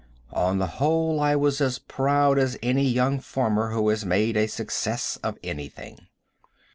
On the whole I was as proud as any young farmer who has made a success of anything.